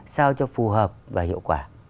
sao cho phù hợp và hiệu quả